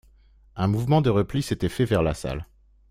Un mouvement de repli s’était fait vers la salle.